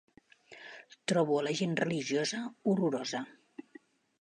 Trobo a la gent religiosa horrorosa.